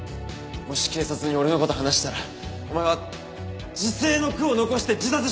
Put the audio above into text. もし警察に俺の事話したらお前は辞世の句を残して自殺した事にする！